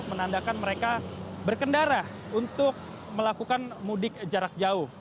menandakan mereka berkendara untuk melakukan mudik jarak jauh